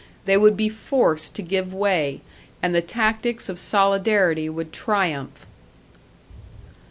They would be forced to give way, and the tactics of solidarity would triumph.